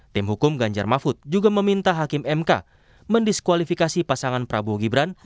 tim hukum ganjar mahfud juga meminta hakim mk mendiskualifikasi pasangan prabowo gibran